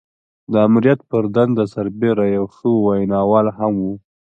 د آمريت پر دنده سربېره يو ښه ويناوال هم و.